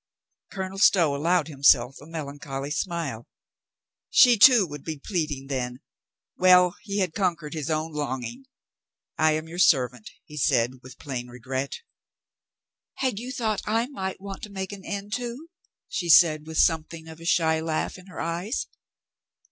Colonel Stow allowed himself a melancholy smile. She too would be pleading, then ; well, he had con quered his own longing. "I am your servant," he said with plain regret. 464 COLONEL GREATHEART "Had you thought I might want to make an end, too?" she said with something of a shy laugh in her eyes.